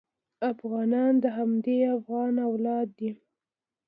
افغانان د همدغه افغان اولاد دي.